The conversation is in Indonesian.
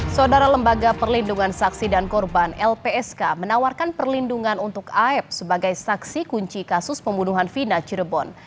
saudara lembaga perlindungan saksi dan korban lpsk menawarkan perlindungan untuk aep sebagai saksi kunci kasus pembunuhan vina cirebon